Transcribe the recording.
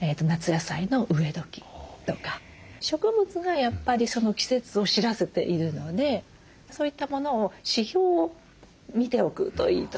植物がやっぱりその季節を知らせているのでそういったものを指標を見ておくといいと思います。